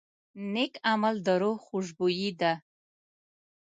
نیک عمل د روح خوشبويي ده.